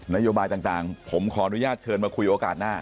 นโยบายต่างผมขออนุญาตเชิญมาคุยโอกาสหน้า